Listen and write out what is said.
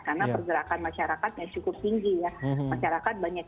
karena pergerakan masyarakatnya cukup tinggi ya